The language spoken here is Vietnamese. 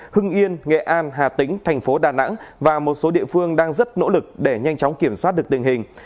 hưng yên nghệ an hà tĩnh thành phố đà nẵng và một số địa phương đang rất nỗ lực để nhanh chóng kiểm soát được tình hình